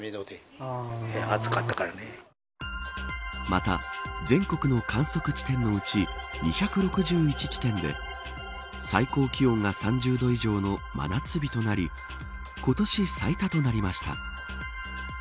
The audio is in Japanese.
また、全国の観測地点のうち２６１地点で最高気温が３０度以上の真夏日となり今年最多となりました。